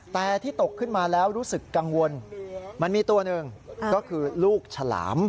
แต่ที่ตกขึ้นมาแล้วรู้สึกกังวลมันมีตัวหนึ่งก็คือลูกฉลาม